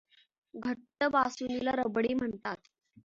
घट्ट बासुंदीला रबडी म्हणतात.